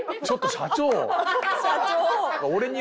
社長！